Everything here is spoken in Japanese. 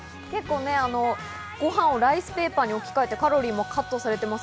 ご飯をライスペーパーに置き換えてカロリーもカットされています。